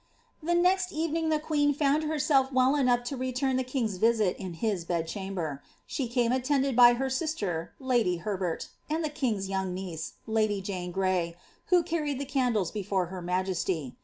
The next evening the queen found herself well enough to return the king^s visit in his bedchamber. She came attended by her sister, lady Berbert, and the king^s young niece, lady Jane Gray,^ who carried the Buidlefl before her majesty.